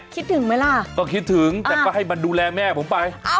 คิดถึงไหมล่ะก็คิดถึงแต่ก็ให้มันดูแลแม่ผมไป